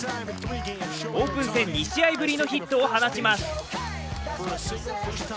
オープン戦２試合ぶりのヒットを放ちます。